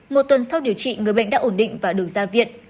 một tuần sau điều trị người bệnh đã ổn định và được ra viện